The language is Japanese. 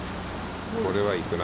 これは行くな。